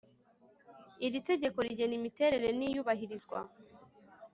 iri tegeko rigena imiterere n iyubahirizwa